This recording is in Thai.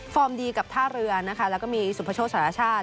ฟอร์มดีกับท่าเรือแล้วก็มีสุพชโชคสรรชาติ